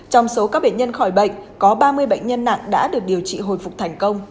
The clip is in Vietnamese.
trong số các bệnh nhân khỏi bệnh có ba mươi bệnh nhân nặng đã được điều trị hồi phục thành công